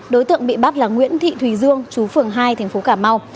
đối tượng bị bắt là nguyễn thị thùy dương chú phường hai thành phố cà mau